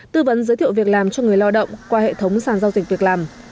tư vấn giới thiệu việc làm cho người lao động qua hệ thống sàn giao dịch việc làm